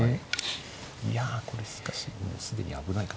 いやこれしかし既に危ない形。